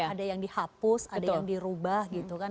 ada yang dihapus ada yang dirubah